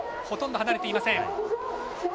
ほとんど離れていません。